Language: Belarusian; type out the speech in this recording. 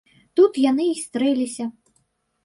Тут яны й стрэліся.